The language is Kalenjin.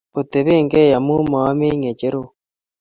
Oteben gei amu ma yemei ng'echeresiek